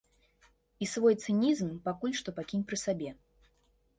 І свой цынізм пакуль што пакінь пры сабе.